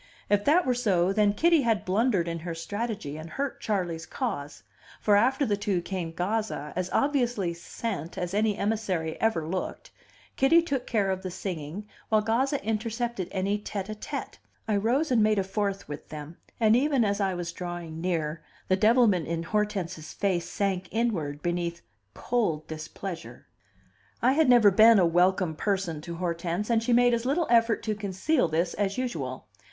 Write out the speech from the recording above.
If that were so, then Kitty had blundered in her strategy and hurt Charley's cause; for after the two came Gazza, as obviously "sent" as any emissary ever looked: Kitty took care of the singing, while Gazza intercepted any tete a tete. I rose and made a fourth with them, and even as I was drawing near, the devilment in Hortense's face sank inward beneath cold displeasure. I had never been a welcome person to Hortense, and she made as little effort to conceal this as usual.